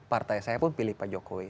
partai saya pun pilih pak jokowi